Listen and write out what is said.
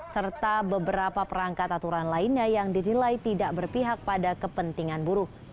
serta beberapa perangkat aturan lainnya yang dinilai tidak berpihak pada kepentingan buruh